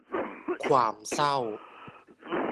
ความเศร้า